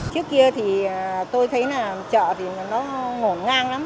trước kia thì tôi thấy là chợ thì nó ngổ ngang lắm